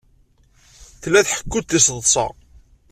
Tella tḥekku-d tiseḍsa.